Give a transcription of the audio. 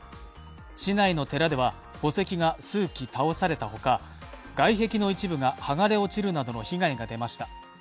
市内の寺では、墓石が数基倒されたほか、外壁の一部が剥がれ落ちるなどの被害が出ました。